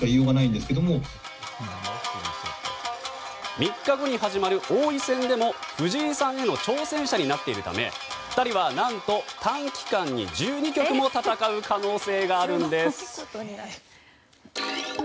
３日後に始まる王位戦でも藤井さんへの挑戦者になっているため２人は何と短期間に１２局も戦う可能性があるんです。